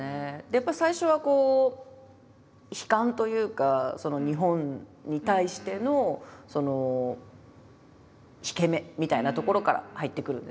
やっぱり最初はこう悲観というか日本に対しての引け目みたいなところから入ってくるんですよね。